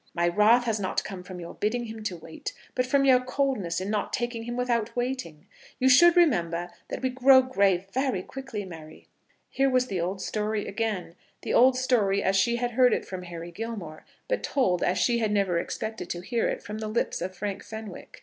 My wrath has not come from your bidding him to wait, but from your coldness in not taking him without waiting. You should remember that we grow gray very quickly, Mary." Here was the old story again, the old story as she had heard it from Harry Gilmore, but told as she had never expected to hear it from the lips of Frank Fenwick.